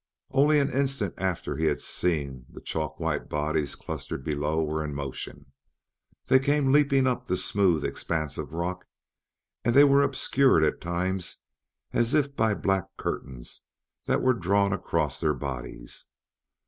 Only an instant after he had seen, the chalk white bodies clustered below were in motion. They came leaping up the smooth expanses of rock, and they were obscured at times as if by black curtains that were drawn across their bodies.